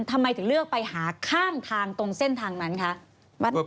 ทำไมถึงเลือกไปหาข้างทางตรงเส้นทางนั้นคะ